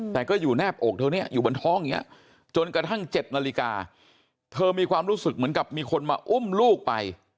แต่ก็อยู่แนบอกเธอเนี่ยอยู่บนท้องอย่างนี้จนกระทั่ง๗นาฬิกาเธอมีความรู้สึกเหมือนกับมีคนมาอุ้มลูกไป